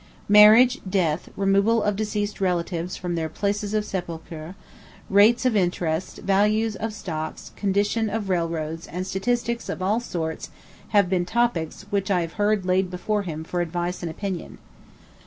Marriage, death, removal of deceased relatives from their places of sepulture, rates of interest, value of stocks, condition of railroads, and statistics of all sorts have been topics which I have heard laid before him for advice and opinion.